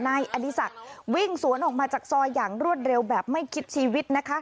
นายอดีศักดิ์วิ่งสวนออกมาจากซอยอย่างรวดเร็วแบบไม่คิดชีวิตนะคะ